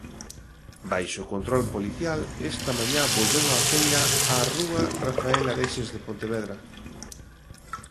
Baixo control policial, esta mañá volveu a feira á rúa Rafael Areses de Pontevedra.